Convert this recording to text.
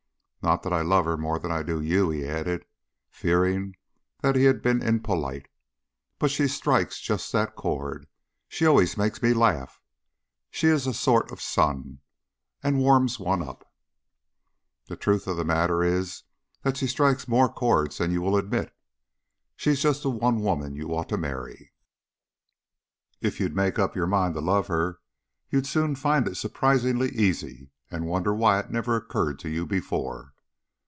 "Not that I love her more than I do you," he added, fearing that he had been impolite. "But she strikes just that chord. She always makes me laugh. She is a sort of sun and warms one up " "The truth of the matter is that she strikes more chords than you will admit. She's just the one woman you ought to marry. If you'd make up your mind to love her, you'd soon find it surprisingly easy, and wonder why it never had occurred to you before."